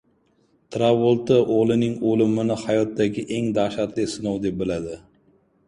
Travolta o‘g‘lining o‘limini hayotidagi eng dahshatli sinov deb biladi